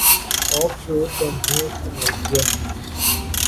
of شور کمپنیوں کی ملکیت‘